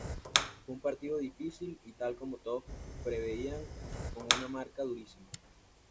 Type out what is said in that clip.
Fue un partido difícil y tal como todos preveían, con una marca durísima.